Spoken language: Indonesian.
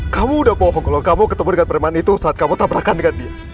kamu udah bohong kalau kamu ketemu dengan permen itu saat kamu tabrakan dengan dia